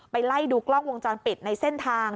ไล่ดูกล้องวงจรปิดในเส้นทาง